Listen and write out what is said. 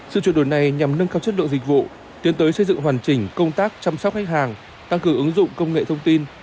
sự chuyển đổi này nhằm nâng cao chất lượng dịch vụ tiến tới xây dựng hoàn chỉnh công tác chăm sóc khách hàng tăng cường ứng dụng công nghệ thông tin